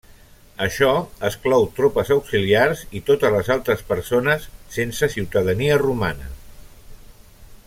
Això exclou tropes auxiliars i totes les altres persones sense ciutadania romana.